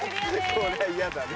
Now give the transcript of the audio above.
これは嫌だね